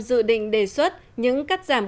dự định đề xuất những cắt giảm